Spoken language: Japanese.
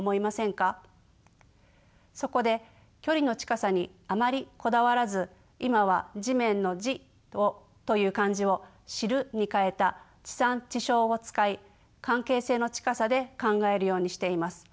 そこで距離の近さにあまりこだわらず今は地面の「地」という漢字を「知る」に変えた「知産知消」を使い関係性の近さで考えるようにしています。